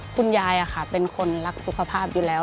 คุณยายเป็นคนรักสุขภาพอยู่แล้ว